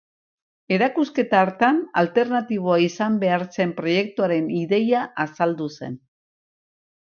Erakusketa hartan alternatiboa izan behar zen proiektuaren ideia azaldu zen.